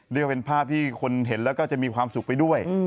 เรียกว่าเป็นภาพที่คนเห็นแล้วก็จะมีความสุขไปด้วย